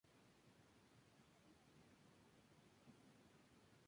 En el plano superior del refectorio están situadas las celdas de los frailes.